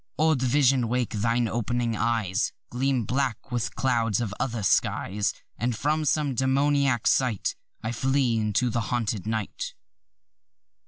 Old visions wakeâthine op'ning eyes Gleam black with clouds of other skies, And as from some demoniac sight I flee into the haunted night.